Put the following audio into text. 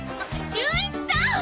純一さん！